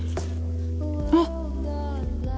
あっ。